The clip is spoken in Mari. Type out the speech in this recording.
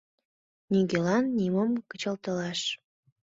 Нигӧлан нимом кычалтылаш.